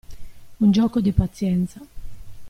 Un gioco di pazienza.